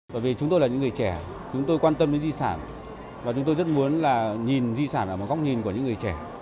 bởi vì chúng tôi là những người trẻ chúng tôi quan tâm đến di sản và chúng tôi rất muốn là nhìn di sản ở một góc nhìn của những người trẻ